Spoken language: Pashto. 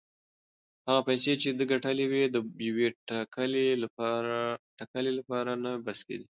هغه پیسې چې ده ګټلې وې د یوې ټکلې لپاره نه بس کېدې.